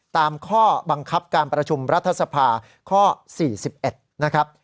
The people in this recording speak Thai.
ตามข้อบังคับการประชุมรัฐสภาข้อ๔๑นะครับ